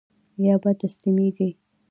يا به تسليمېږي.